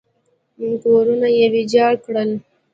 کورونه یې ویجاړ کړل.